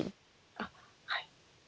あっはい。